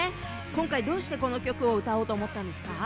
今回、どうして、この曲を歌おうと思ったんですか？